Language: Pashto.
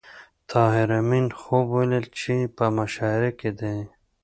طاهر آمین خوب ولید چې په مشاعره کې دی